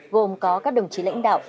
gồm có các đồng chí lãnh đạo